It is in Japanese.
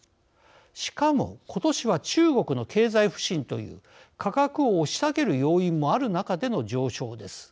しかも今年は中国の経済不振という価格を押し下げる要因もある中での上昇です。